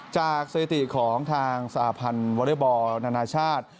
สถิติของทางสหพันธ์วอเล็กบอลนานาชาติ